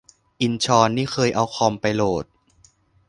อินชอน- นี่เคยเอาคอมไปโหลด